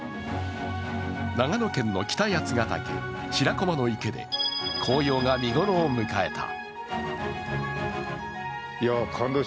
長野県の北八ヶ岳、白駒の池で紅葉が見頃を迎えた。